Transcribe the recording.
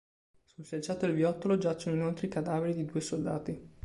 Sul selciato del viottolo giacciono inoltre i cadaveri di due soldati.